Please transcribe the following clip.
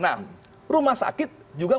nah rumah sakit juga